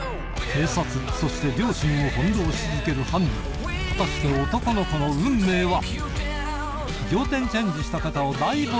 警察そして両親を翻弄し続ける犯人果たして男の子の運命は？